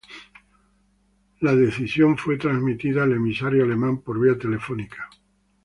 La decisión fue transmitida al emisario alemán por vía telefónica.